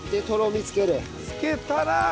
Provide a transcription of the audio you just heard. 付けたら？